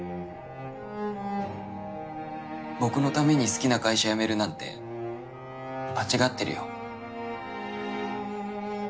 僕のために好きな会社辞めるなんて間違ってるよ。